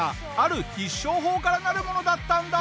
ある必勝法からなるものだったんだ！